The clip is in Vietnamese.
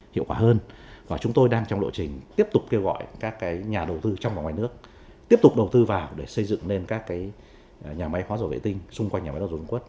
hiệu quả hơn và chúng tôi đang trong lộ trình tiếp tục kêu gọi các nhà đầu tư trong và ngoài nước tiếp tục đầu tư vào để xây dựng lên các nhà máy lọc dầu vệ tinh xung quanh nhà máy lọc dầu dung quất